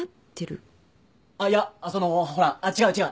あっいやあっそのほらあっ違う違う。